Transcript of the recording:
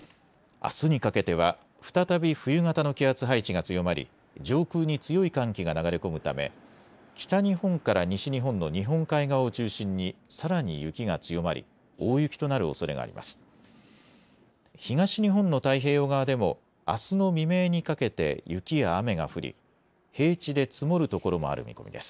あすにかけては、再び冬型の気圧配置が強まり、上空に強い寒気が流れ込むため、北日本から西日本の日本海側を中心に、さらに雪が強まり、大雪となるおそれがあります。